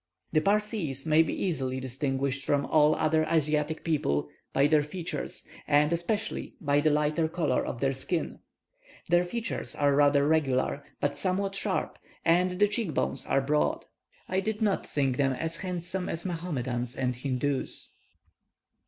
The Parsees may be easily distinguished from all other Asiatic people by their features, and especially by the lighter colour of their skin. Their features are rather regular, but somewhat sharp, and the cheekbones are broad. I did not think them so handsome as the Mahomedans and Hindoos.